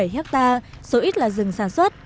ba mươi bảy hectare số ít là rừng sản xuất